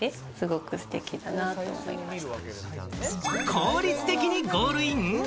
効率的にゴールイン？